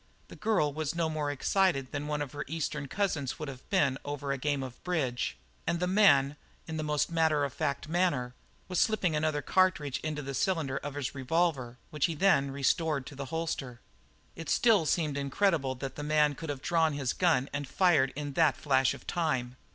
The girl was no more excited than one of her Eastern cousins would have been over a game of bridge, and the man in the most matter of fact manner, was slipping another cartridge into the cylinder of the revolver, which he then restored to the holster. It still seemed incredible that the man could have drawn his gun and fired it in that flash of time.